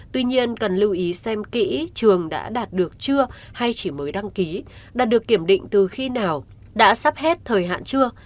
tuy nhiên cần lưu ý xem kỹ trường đã đạt được chưa hay chỉ mới đăng ký đạt được kiểm định từ khi nào đã sắp hết thời hạn chưa